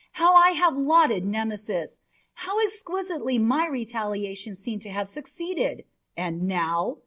How I have lauded Nemesis! How exquisitely my retaliation seemed to have succeeded! And now?